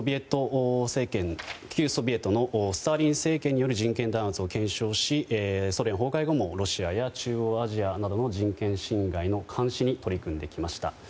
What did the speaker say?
旧ソビエトのスターリン政権による人権弾圧を検証しソ連崩壊後もロシアや中央アジアなどの人権侵害の監視に取り組んできました。